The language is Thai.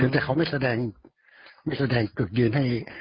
แต่เขาไม่แสดงไม่แสดงจุดยืนให้